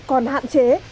còn hạn chế